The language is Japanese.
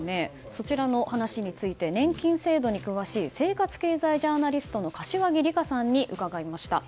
そちらの話について年金制度に詳しい生活経済ジャーナリストの柏木さんに聞きました。